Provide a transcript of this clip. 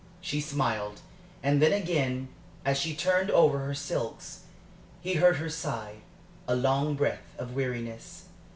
She smiled, and then again, as she turned over her silks, he heard her sigh a long breath of weariness.